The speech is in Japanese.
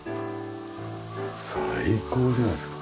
最高じゃないですか。